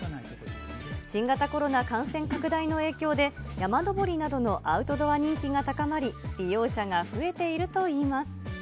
新型コロナ感染拡大の影響で、山登りなどのアウトドア人気が高まり、利用者が増えているといいます。